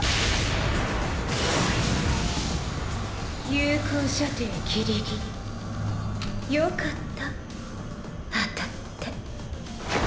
有効射程ギリギリ。よかった当たって。